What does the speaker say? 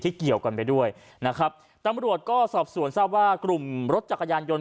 เกี่ยวกันไปด้วยนะครับตำรวจก็สอบสวนทราบว่ากลุ่มรถจักรยานยนต์